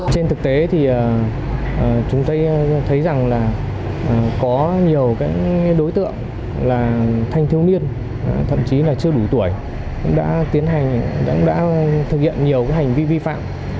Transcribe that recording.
trên thực tế thì chúng tôi thấy rằng là có nhiều đối tượng là thanh thiếu niên thậm chí là chưa đủ tuổi đã thực hiện nhiều hành vi vi phạm